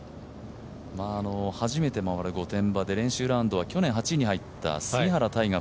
初めて回る御殿場で練習ラウンドは去年８位に入った杉原大河